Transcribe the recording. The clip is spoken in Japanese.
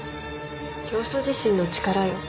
教祖自身の力よ。